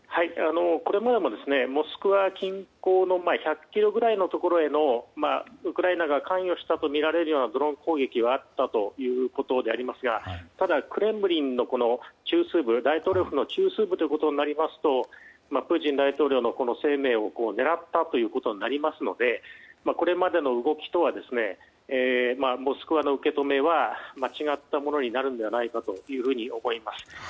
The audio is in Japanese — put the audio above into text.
この前もモスクワ近郊の１００ｋｍぐらいのところへのウクライナが関与したとみられるようなドローン攻撃があったということですがただ、クレムリン、大統領府の中枢部となりますとプーチン大統領の生命を狙ったということになりますのでこれまでの動きとはモスクワの受け止めは違ったものになるのではと思います。